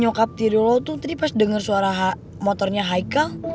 nyokap tiri lo tuh tadi pas dengar suara motornya haikal